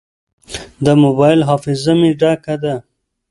د موبایل حافظه مې ډکه ده.